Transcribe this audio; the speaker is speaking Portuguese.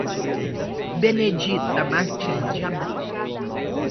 Benedita Martins de Abreu